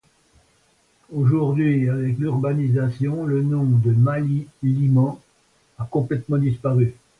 Aujourd'hui, avec l'urbanisation, le nom de Mali Liman a complètement disparu.